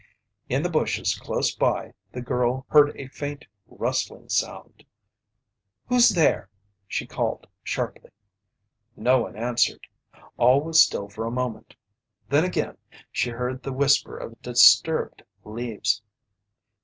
In the bushes close by, the girl heard a faint, rustling sound. "Who's there?" she called sharply. No one answered. All was still for a moment. Then again she heard the whisper of disturbed leaves.